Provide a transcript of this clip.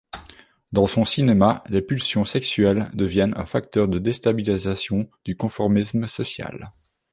Dans son cinéma, les pulsions sexuelles deviennent un facteur de déstabilisation du conformisme social.